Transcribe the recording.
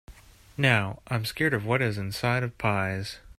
Now, I’m scared of what is inside of pies.